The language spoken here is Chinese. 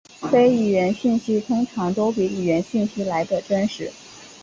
非语言讯息通常都比语言讯息来得真实。